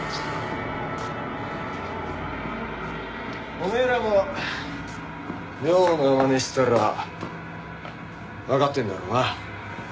お前らも妙なまねしたらわかってんだろうな？